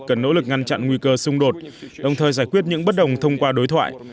cần nỗ lực ngăn chặn nguy cơ xung đột đồng thời giải quyết những bất đồng thông qua đối thoại